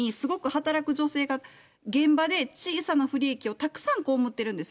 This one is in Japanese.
そのためにすごく働く女性が現場で小さな不利益をたくさんこうむってるんですよ。